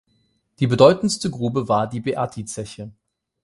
Die bedeutendste Grube war die Beatti-Zeche.